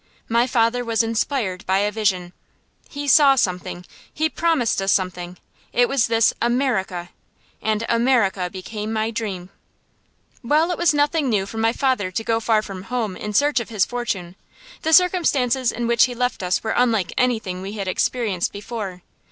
My father was inspired by a vision. He saw something he promised us something. It was this "America." And "America" became my dream. While it was nothing new for my father to go far from home in search of his fortune, the circumstances in which he left us were unlike anything we had experienced before.